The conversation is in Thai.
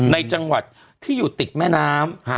ในจังหวัดที่อยู่ติดแม่น้ำ